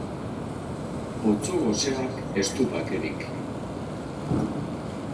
Otso goseak ez du bakerik.